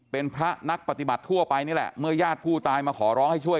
เป็นพระนักปฏิบัติทั่วไปนี่แหละเมื่อญาติผู้ตายมาขอร้องให้ช่วย